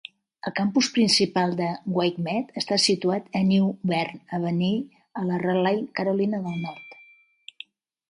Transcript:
El campus principal de WakeMed està situat a New Bern Avenue a Raleigh, Carolina del Nord.